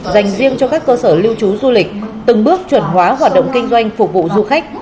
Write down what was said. dành riêng cho các cơ sở lưu trú du lịch từng bước chuẩn hóa hoạt động kinh doanh phục vụ du khách